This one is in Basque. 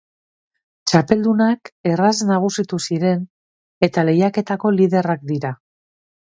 Txapeldunak erraz nagusitu ziren eta lehiaketako liderrak dira.